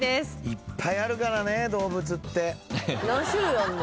いっぱいあるからね動物って。